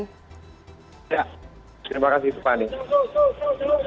terima kasih tiffany